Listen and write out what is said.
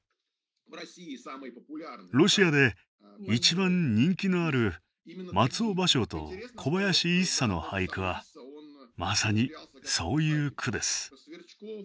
ロシアで一番人気のある松尾芭蕉と小林一茶の俳句はまさにそういう句です。